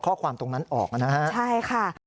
ข้อความตรงนั้นออกนะฮะใช่ค่ะใช่ค่ะ